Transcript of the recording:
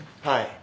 はい。